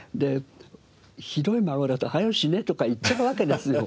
ひどい孫だと「はよ死ね」とか言っちゃうわけですよ。